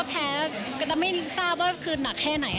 แพ้ไม่รู้ว่าคือหนักแค่ไหน